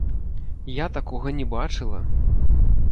Я такога не бачыла!